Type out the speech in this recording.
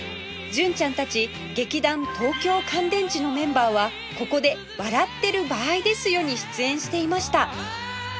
純ちゃんたち劇団東京乾電池のメンバーはここで『笑ってる場合ですよ！』に出演していました